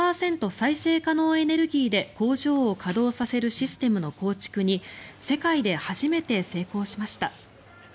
再生可能エネルギーで工場を稼働させるシステムの構築に世界で初めて成功しました。